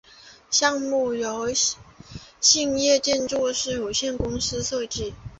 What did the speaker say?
项目由兴业建筑师有限公司设计。